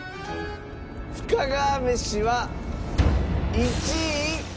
深川めしは１位。